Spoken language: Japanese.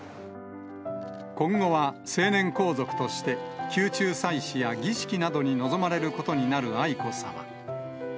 今後は成年皇族として、宮中祭祀や儀式などに臨まれることになる愛子さま。